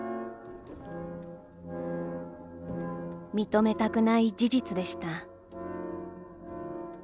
「認めたくない事実でした」。